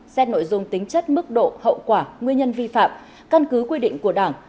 xét nội dung tính chất mức độ hậu quả nguyên nhân vi phạm căn cứ quy định của đảng